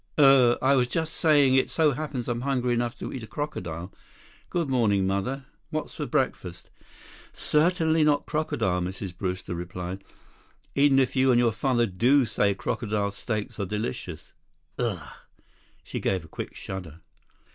"Er—I was just saying it so happens I'm hungry enough to eat a crocodile. Good morning, Mother. What's for breakfast?" "Certainly not crocodile," Mrs. Brewster replied. "Even if you and your father do say crocodile steaks are delicious. Ugh!" She gave a quick shudder.